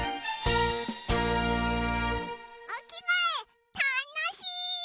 おきがえたのしい！